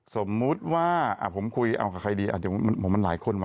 สมมุติว่าผมคุยกับใครดีผมมันหลายคนว่ะ